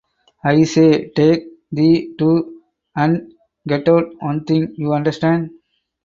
I say take the to and get out one thing... you understand.